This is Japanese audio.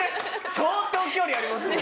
相当距離ありますもんね。